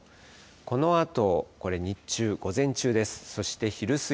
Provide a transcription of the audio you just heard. このあとこれ日中、午前中です。